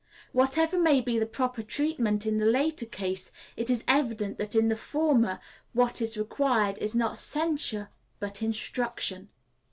Whatever may be the proper treatment in the latter case, it is evident that in the former what is required is not censure, but instruction.